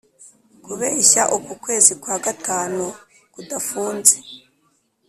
kubeshya uku kwezi kwa gatanu kudafunze